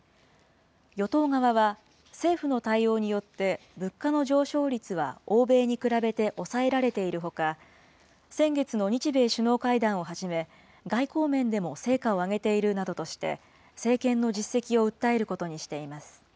与党側は、政府の対応によって、物価の上昇率は欧米に比べて抑えられているほか、先月の日米首脳会談をはじめ、外交面でも成果を上げているなどとして、政権の実績を訴えることにしています。